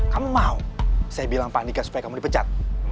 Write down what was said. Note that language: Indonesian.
kamu mau saya bilang pak andika supaya kamu dipecat